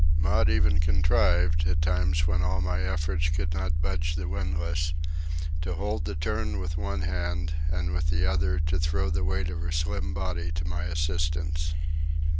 Maud even contrived, at times when all my efforts could not budge the windlass, to hold the turn with one hand and with the other to throw the weight of her slim body to my assistance.